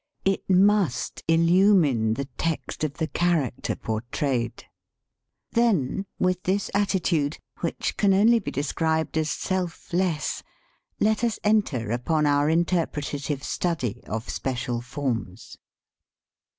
It must il lumine the text of the character portrayed. Then, with this attitude, which can only be described as selfless, let us enter upon our interpretative study of special forms.